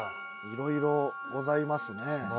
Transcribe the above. いろいろございますね。